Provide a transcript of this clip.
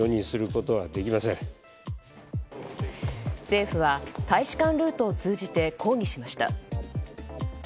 政府は大使館ルートを通じて抗議しました。